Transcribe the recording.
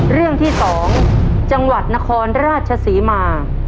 เรื่องที่๒จังหวัดนครราชศรีมา